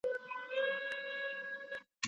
ستا په یاد دي؟